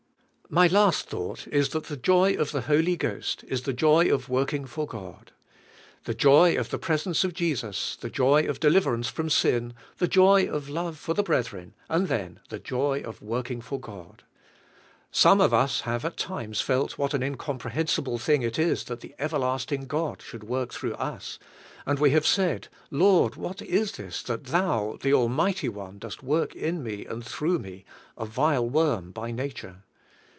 My last thought is that the joy of the Hol}^ Ghost is the joy of working for God. The jo}^ of the presence of Jesus, the joy of deliverance from sin, the joy of love for the brethren, and then the jo}^ of working for God. Some of us have at times felt what an incomprehensible thing it is that the everlasting God should work through us; and we have said, "Lord, what is this, that Thou the Al mighty One dost work in me and through me, a vile worm by nature?"